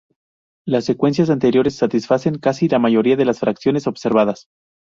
Las secuencias anteriores satisfacen casi la mayoría de las fracciones observadas.